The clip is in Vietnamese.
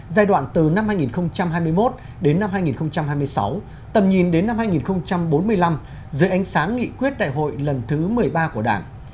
giai đoạn từ năm hai nghìn hai mươi một đến năm hai nghìn hai mươi sáu tầm nhìn đến năm hai nghìn bốn mươi năm dưới ánh sáng nghị quyết đại hội lần thứ một mươi ba của đảng